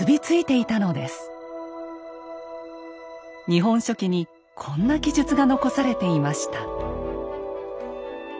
「日本書紀」にこんな記述が残されていました。